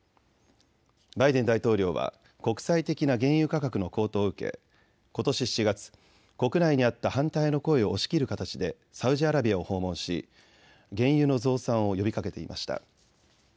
バイデン大統領は国際的な原油価格の高騰を受けことし７月、国内にあった反対の声を押し切る形でサウジアラビアを訪問し原油の増産を呼びかけていました。